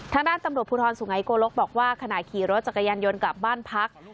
ทางด้านตำรวจภูทรสุงัยโกลกบอกว่าขณะขี่รถจักรยานยนต์กลับบ้านพัก